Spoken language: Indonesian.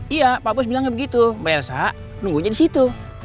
iya pak bos bilangnya begitu mbak elsa nunggunya di situ